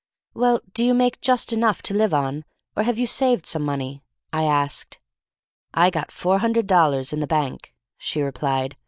"Well, do you make just enough to live on, or have you saved some money?" I asked. "I got four hundred dollar in the bank," she replied.